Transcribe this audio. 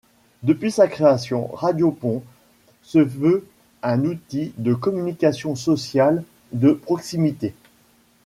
Depuis sa création, Radio Pons se veut un outil de communication sociale de proximité.